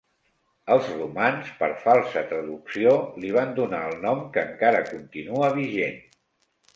Els romans, per falsa traducció, li van donar el nom que encara continua vigent.